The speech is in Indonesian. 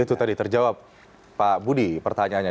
itu tadi terjawab pak budi pertanyaannya